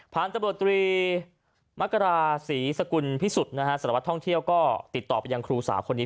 ตำรวจตรีมกราศรีสกุลพิสุทธิ์นะฮะสารวัตรท่องเที่ยวก็ติดต่อไปยังครูสาวคนนี้